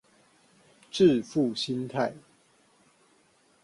致富心態